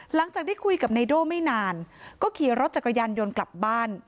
หลังจากได้คุยกับไนโด่ไม่นานก็ขี่รถจักรยานยนต์กลับบ้าน